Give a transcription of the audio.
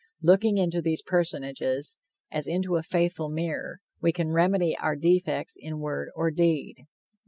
Looking into these personages, as into a faithful mirror, we can remedy our defects in word or deed."